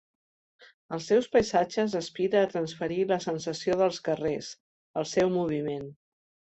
Als seus paisatges aspira a transferir la sensació dels carrers, el seu moviment.